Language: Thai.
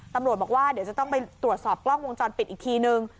ตำรวจบอกว่าเดี๋ยวจะต้องไปตรวจสอบกล้องวงจรปิดอีกทีนึง